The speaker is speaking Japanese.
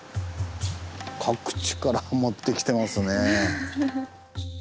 各地から持ってきてますねぇ。